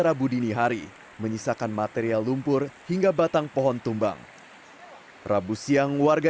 rabu dini hari menyisakan material lumpur hingga batang pohon tumbang rabu siang warga